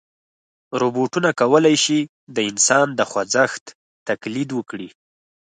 روبوټونه کولی شي د انسان د خوځښت تقلید وکړي.